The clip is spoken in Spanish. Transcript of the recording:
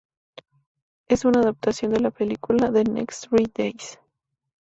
Es una adaptación de la película "The Next Three Days".